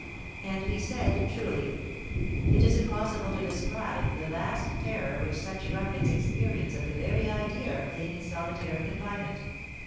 And he said truly. It is impossible to describe the vast terror which such ruffians experience at the very idea of being in solitary confinement.